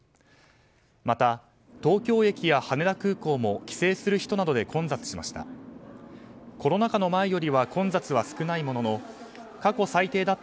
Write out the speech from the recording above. また、東京駅や羽田空港も帰省する人などで混雑しました。